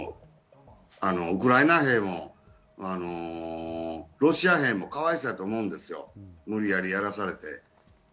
ウクライナ兵もロシア兵もかわいそうだと思うんですよ、無理やりやらされて。